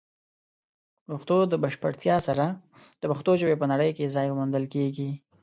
د پښتو د بشپړتیا سره، د پښتو ژبې په نړۍ کې ځای موندل کیږي.